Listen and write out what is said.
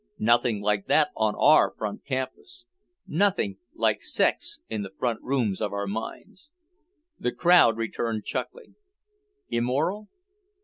Nothing like that on our front campus! Nothing like "sex" in the front rooms of our minds. The crowd returned chuckling. Immoral?